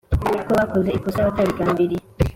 ko bakoze ikosa batabigambiriye